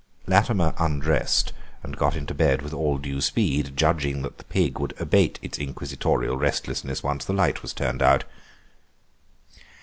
Latimer undressed and got into bed with all due speed, judging that the pig would abate its inquisitorial restlessness once the light was turned out.